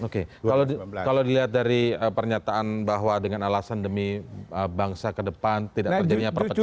kalau dilihat dari pernyataan bahwa dengan alasan demi bangsa kedepan tidak terjadinya perpecahan